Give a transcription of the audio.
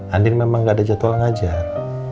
andin memang gak ada jadwal ngajar